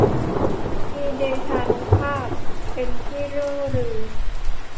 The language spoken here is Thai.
มีเดชานุภาพเป็นที่เลื่องลือ